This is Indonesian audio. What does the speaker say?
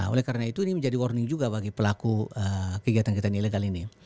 oleh karena itu ini menjadi warning juga bagi pelaku kegiatan kegiatan ilegal ini